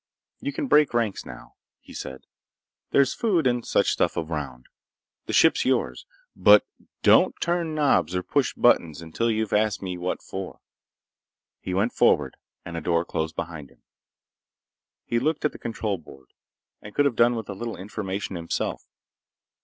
"You can break ranks now," he said. "There's food and such stuff around. The ship's yours. But don't turn knobs or push buttons until you've asked me what for!" He went forward, and a door closed behind him. He looked at the control board, and could have done with a little information himself.